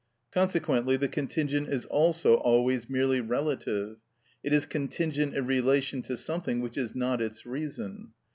Consequently the contingent is also always merely relative. It is contingent in relation to something which is not its reason.